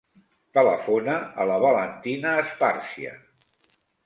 Telefona a la Valentina Esparcia.